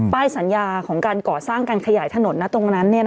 ป้ายสัญญาของการก่อสร้างการขยายถนน